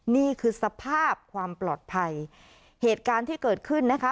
นี่คือสภาพความปลอดภัยเหตุการณ์ที่เกิดขึ้นนะคะ